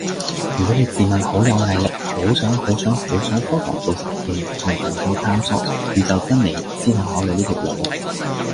如果你自問好有毅力，好想好想好想瘋狂做實驗同研究探索宇宙真理先好考慮呢條路